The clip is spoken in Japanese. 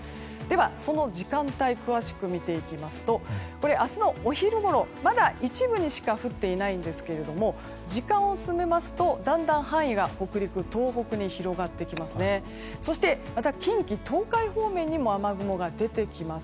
その時間帯詳しく見ていきますと明日のお昼ごろ、まだ一部にしか降っていないんですが時間を進めますとだんだん範囲が北陸、東北に広がってきます。